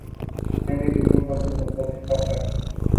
میں نے دونوں کا بڑھاپا دیکھا ہے۔